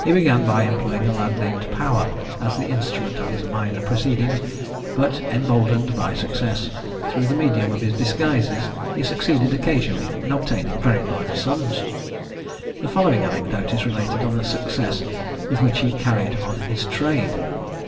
He began by employing a lad named Power as the instrument of his minor proceedings, but emboldened by success, through the medium of his disguises, he succeeded occasionally in obtaining very large sums. The following anecdote is related of the success with which he carried on his trade.